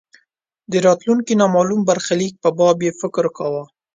د راتلونکې نامالوم برخلیک په باب یې فکر کاوه.